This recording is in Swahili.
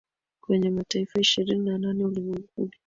kwenye mataifa ishirini na nane ulimwenguni